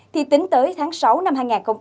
thì tính tới tháng sáu năm hai nghìn một mươi tám